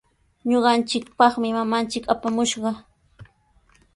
Ñuqanchikpaqmi mamanchik apamushqa.